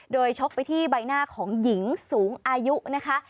โดยชกไปที่ใบหน้าของหญิงสูงอายุนะคะ